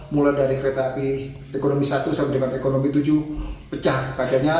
mulai dari kereta api ekonomi satu sampai dengan ekonomi tujuh pecah kacanya